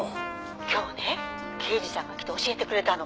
「今日ね刑事さんが来て教えてくれたの」